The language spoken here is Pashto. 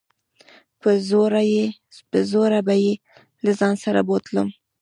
په زوره به يې له ځان سره بوتلم.